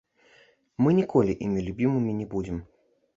Мы ніколі імі любімымі не будзем.